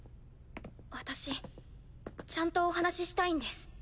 私ちゃんとお話ししたいんです